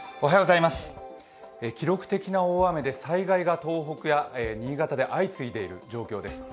記録的な大雨で災害が東北や新潟で相次いでいる状況です。